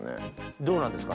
どうなんですか？